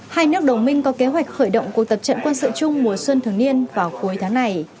hai nước đồng minh có kế hoạch khởi động cuộc tập trận quân sự chung mùa xuân thường niên vào cuối tháng này